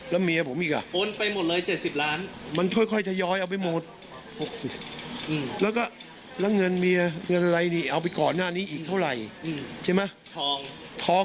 ๓ไร้ครึ่งเนี่ยมันขาย๑๕ล้าน